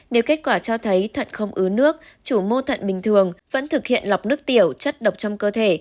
nếu kết quả cho thấy thận không ứ nước chủ mô thận bình thường vẫn thực hiện lọc nước tiểu chất độc trong cơ thể